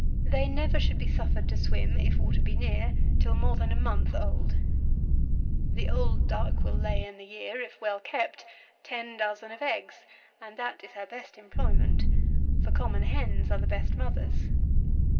They never should be suffered to swim (if water be near) till more than a month old. The old duck will lay, in the year, if well kept, ten dozen of eggs; and that is her best employment; for common hens are the best mothers.